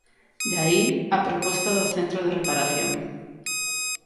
De aí a proposta do centro de reparación.